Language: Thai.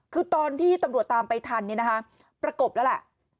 คือตอนที่ตำรวจตามไปทันประกบแล้วล่ะ